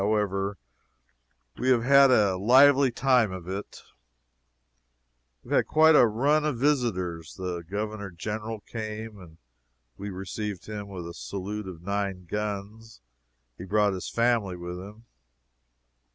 However, we have had a lively time of it, anyhow. We have had quite a run of visitors. The Governor General came, and we received him with a salute of nine guns. He brought his family with him.